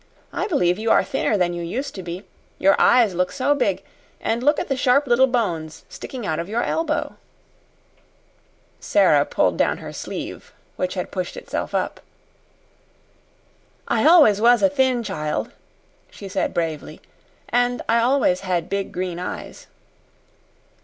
"I believe you are thinner than you used to be. Your eyes look so big, and look at the sharp little bones sticking out of your elbow!" Sara pulled down her sleeve, which had pushed itself up. "I always was a thin child," she said bravely, "and I always had big green eyes."